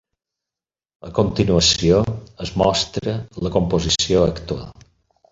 A continuació es mostra la composició actual.